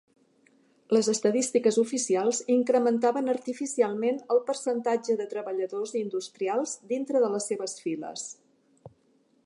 Les estadístiques oficials incrementaven artificialment el percentatge de treballadors industrials dintre de les seves files.